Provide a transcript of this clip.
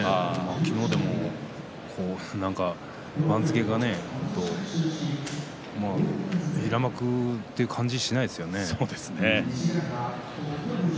昨日も番付が平幕という感じがしないですよね。